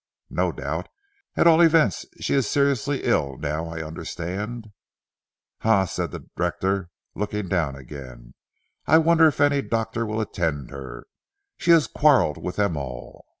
"No doubt. At all events she is seriously ill now I understand." "Ha!" said the rector and looked down again. "I wonder if any doctor will attend her. She has quarrelled with them all.